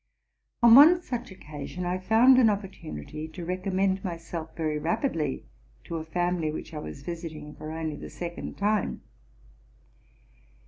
On one such occasion I found an opportunity to recommend myself very rapidly to a family which I was visiting for only the second time.